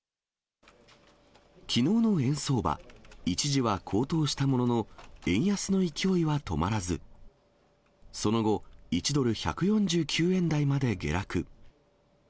きのうの円相場、一時は高騰したものの、円安の勢いは止まらず、その後、１ドル１４９円台まで下落。